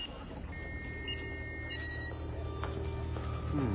うん。